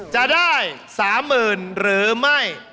จะได้สามหมื่นหรือไม่